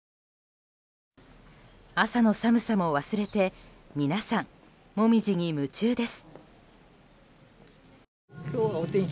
朝の寒さも忘れて皆さん、モミジに夢中です。